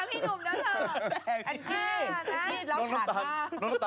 อยากสิครับพี่นุมเนอะเนอะ